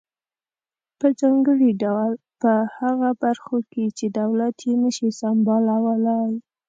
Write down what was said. په ځانګړي ډول په هغه برخو کې چې دولت یې نشي سمبالولای.